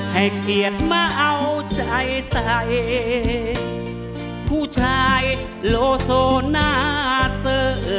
ให้เกียรติมาเอาใจใส่ผู้ชายโลโซน่าเสอ